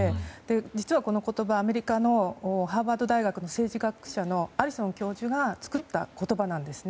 実は、この言葉はアメリカのハーバード大学の政治学者のアリソン教授が作った言葉なんですね。